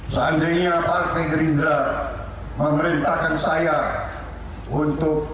seandainya partai gerindra memerintahkan saya untuk